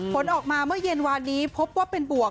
ผลออกมาเมื่อเย็นวานนี้พบว่าเป็นบวก